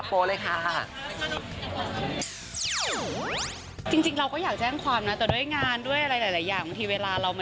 ไม่ค่อยกลัวไม่ทีกลัว